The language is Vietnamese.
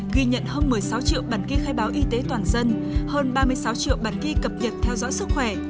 ghi nhận hơn một mươi sáu triệu bản ghi khai báo y tế toàn dân hơn ba mươi sáu triệu bản ghi cập nhật theo dõi sức khỏe